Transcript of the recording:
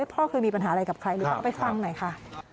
พ่อเคยมีปัญหาอะไรกับใครแล้วไปฟังหน่อยค่ะ